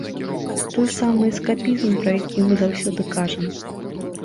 Той самы эскапізм, пра які мы заўсёды кажам.